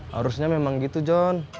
harusnya memang gitu jon